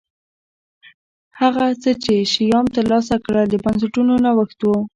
هغه څه چې شیام ترسره کړل د بنسټونو نوښت و